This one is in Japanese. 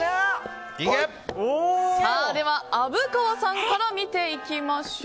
虻川さんから見ていきましょう。